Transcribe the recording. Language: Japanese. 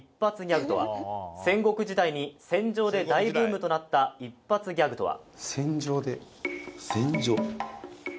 ナイツ戦国時代に戦場で大ブームとなった一発ギャグとは？